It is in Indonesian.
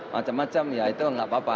macam macam ya itu nggak apa apa